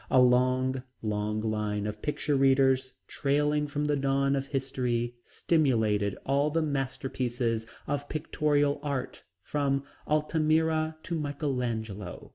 A long, long line of picture readers trailing from the dawn of history, stimulated all the masterpieces of pictorial art from Altamira to Michelangelo.